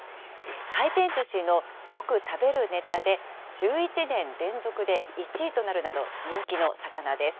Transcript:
回転ずしのよく食べるネタで１１年連続で１位となるなど、人気の魚です。